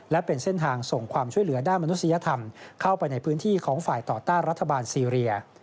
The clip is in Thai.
และเป็นเส้นทางส่งความช่วยเหลือด้านมนุษยธรรมเข้าไปในพื้นที่ของฝ่ายต่อต้านรัฐบาลซีเรีย